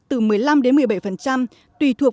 từ một mươi năm đến một mươi bảy tùy thuộc